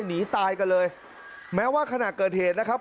หนีตายกันเลยแม้ว่าขณะเกิดเหตุนะครับ